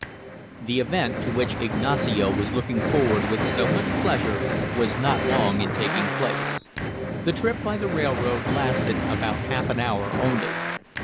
The event to which Ignacio was looking forward with so much pleasure was not long in taking place. The trip by the railroad lasted about half an hour only.